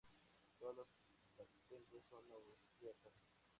Todas las patentes son austríacas.